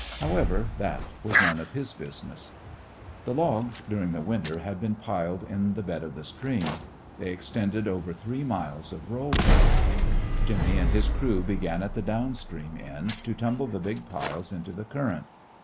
However, that was none of his business. The logs, during the winter, had been piled in the bed of the stream. They extended over three miles of rollways. Jimmy and his crew began at the down stream end to tumble the big piles into the current.